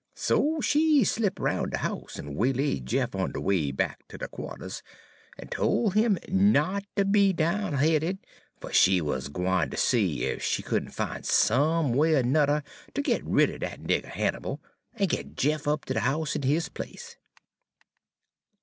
So she slip' roun' de house en waylaid Jeff on de way back ter de qua'ters, en tol' 'im not ter be down hea'ted, fer she wuz gwine ter see ef she could n' fin' some way er 'nuther ter git rid er dat nigger Hannibal, en git Jeff up ter de house in his place.